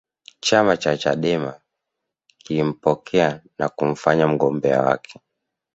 chama cha chadema kilimpokea na kumfanya mgombea wake